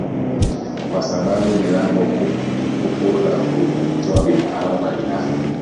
kwa sababu ni lango kuu la kuingiza na kutoa bidhaa au malighafi